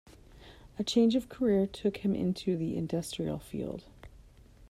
A change of career took him into the industrial field.